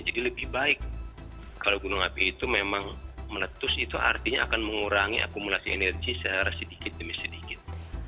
jadi lebih baik kalau gunung api itu memang meletus itu artinya akan mengurangi akumulasi energi sedikit demi sedikit